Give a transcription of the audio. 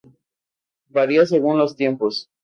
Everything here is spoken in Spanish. Varia según los tiempos.